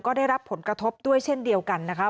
ก็ได้รับผลกระทบด้วยเช่นเดียวกันนะคะ